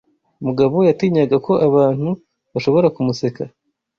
Mugabo yatinyaga ko abantu bashobora kumuseka. (